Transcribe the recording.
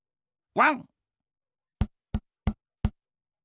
ワン！